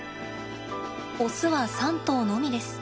オスは３頭のみです。